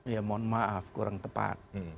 ya mohon maaf kurang tepat